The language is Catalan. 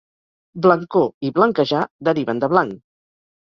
"Blancor" i "blanquejar" deriven de "blanc".